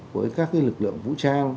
với các lực lượng vũ trang